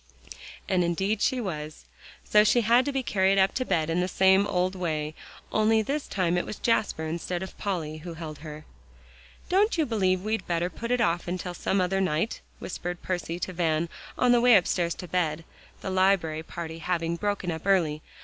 And indeed she was. So she had to be carried up to bed in the same old way; only this time it was Jasper instead of Polly who held her. "Don't you believe we'd better put it off till some other night?" whispered Percy to Van on the way upstairs to bed, the library party having broken up early.